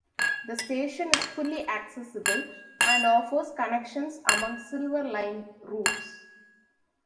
The station is fully accessible and offers connections among Silver Line routes.